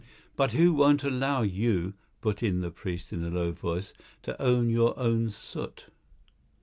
"But who won't allow you," put in the priest in a low voice, "to own your own soot."